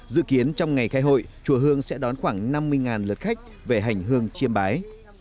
dự kiến trong ngày khai hội chùa hương sẽ đón khoảng năm mươi lượt khách về hành hương chiêm bái